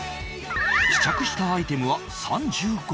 試着したアイテムは３５点